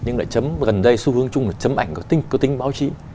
nhưng lại chấm gần đây xu hướng chung là chấm ảnh có tính báo chí